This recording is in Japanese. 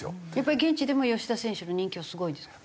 現地でも吉田選手の人気はすごいんですか？